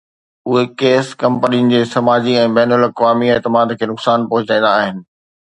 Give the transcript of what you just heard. اهي ڪيس ڪمپنين جي سماجي ۽ بين الاقوامي اعتماد کي نقصان پهچائيندا آهن